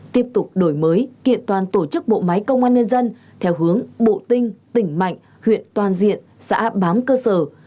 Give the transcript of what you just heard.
tiếp tục đổi mới kiện toàn tổ chức bộ máy công an nhân dân theo hướng bộ tinh tỉnh mạnh huyện toàn diện xã bám cơ sở